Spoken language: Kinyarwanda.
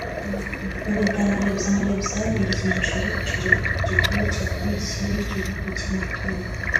Mu biganiro byabereye ku cyicaro gikuru cya Komisiyo y’Igihugu y’Amatora